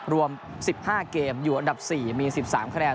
รวม๑๕เกมอยู่อันดับ๔มี๑๓คะแนน